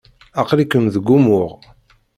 Aqli-kem deg umuɣ.